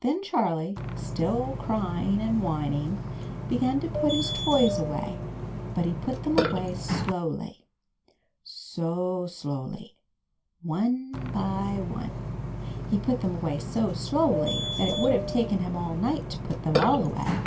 Then Charlie, still crying and whining, began to put his toys away, but he put them away slowly, so slowly, one by one — he put them away so slowly that it would have taken him all night to put them all away.